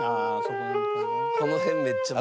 「この辺めっちゃむずい」